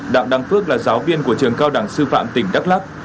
đặng đăng phước là giáo viên của trường cao đẳng sư phạm tỉnh đắk lắc